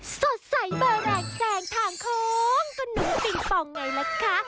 สดใสแบรนด์แทงทางของกระนุปิงปองไงละคะ